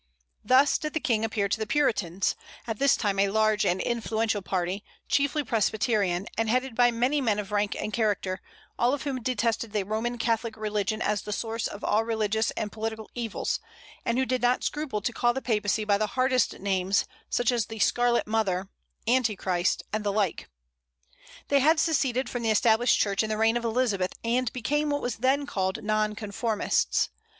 Thus did this King appear to the Puritans, at this time a large and influential party, chiefly Presbyterian, and headed by many men of rank and character, all of whom detested the Roman Catholic religion as the source of all religious and political evils, and who did not scruple to call the Papacy by the hardest names, such as the "Scarlet Mother," "Antichrist," and the like. They had seceded from the Established Church in the reign of Elizabeth, and became what was then called Non conformists.